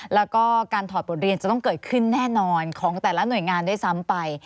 แล้วก็การถอดบทเรียนจะต้องเกิดขึ้นแน่นอนของแต่ละหน่วยงานด้วยซ้ำไป